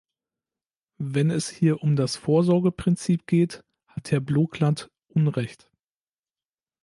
Wenn es hier um das Vorsorgeprinzip geht, hat Herr Blokland unrecht.